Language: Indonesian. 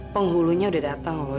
penghulunya udah dateng loh